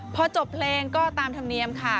พอจบเพลงก็ตามธรรมเนียมค่ะ